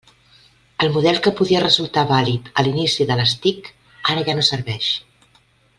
El model que podia resultar vàlid a l'inici de les TIC, ara ja no serveix.